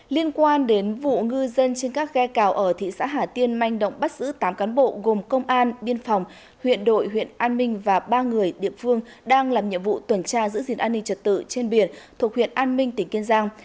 liên quan đến vụ ngư dân trên các ghe cào ở thị xã hà tiên manh động bắt giữ tám cán bộ gồm công an biên phòng huyện đội huyện an minh và ba người địa phương đang làm nhiệm vụ tuần tra giữ gìn an ninh trật tự trên biển thuộc huyện an minh tỉnh kiên giang